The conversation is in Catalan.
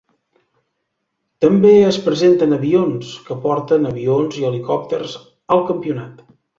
També es presenten avions, que porten avions i helicòpters al campionat.